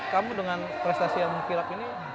kamu dengan prestasi yang hilang ini